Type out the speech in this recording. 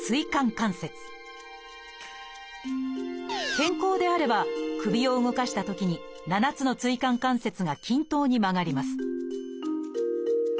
健康であれば首を動かしたときに７つの椎間関節が均等に曲がります